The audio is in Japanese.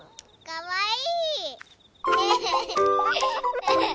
かわいい！